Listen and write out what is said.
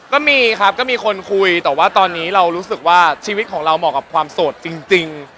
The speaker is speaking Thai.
ก็มีครับก็มีคนคุยแต่ว่าตอนนี้เรารู้สึกว่าชีวิตของเราเหมาะกับความโสดจริง